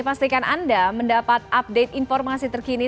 pastikan anda mendapat update informasi terkini